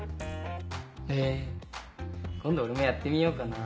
へぇ今度俺もやってみようかな。